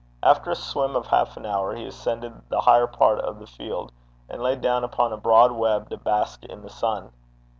After a swim of half an hour, he ascended the higher part of the field, and lay down upon a broad web to bask in the sun.